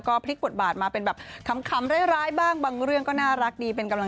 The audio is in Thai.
ก็ปล่อยไปทำงานอย่างเดียว